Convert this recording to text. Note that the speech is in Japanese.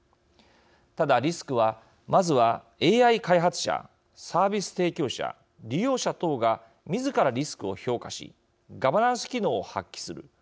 ただ、リスクはまずは、ＡＩ開発者サービス提供者、利用者等がみずからリスクを評価しガバナンス機能を発揮する。